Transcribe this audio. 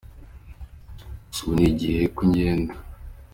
Gusa ubu ni igihe ko ngenda.